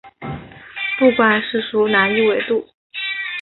不管是属哪一纬度。